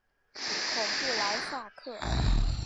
孔布莱萨克。